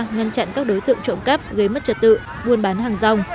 ngăn chặn các đối tượng trộm cắp gây mất trật tự buôn bán hàng rong